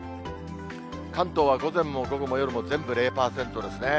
関東は午前も午後も夜も全部０％ですね。